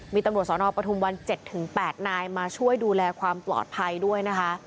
มีตำรวจสนปทุมวัน๗๘นายมาช่วยดูแลความปลอดภัยด้วยนะคะ